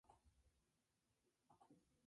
Big Show le dio su gorra a un fan cuando era face.